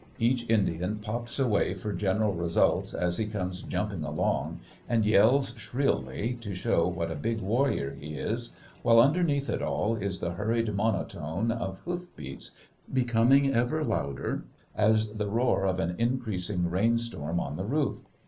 Each Indian pops away for general results as he comes jumping along, and yells shrilly to show what a big warrior he is, while underneath it all is the hurried monotone of hoof beats becoming ever louder, as the roar of an increasing rainstorm on the roof.